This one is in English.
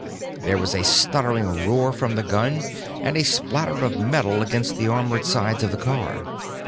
There was a stuttering roar from the gun and a splatter of metal against the armored sides of the car.